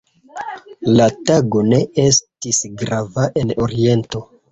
La tago ne estis grava en Oriento.